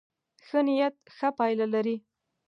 ښه نيت ښه پایله لري.